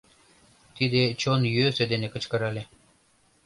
Тиде чон йӧсӧ дене кычкырале.